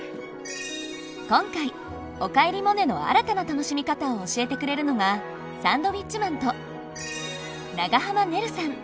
今回「おかえりモネ」の新たな楽しみ方を教えてくれるのがサンドウィッチマンと長濱ねるさん。